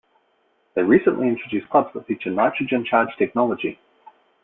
They recently introduced clubs that feature nitrogen charged technology.